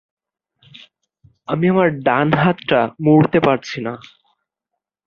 আমি আমার ডান হাতটা মুড়তে পারছি না।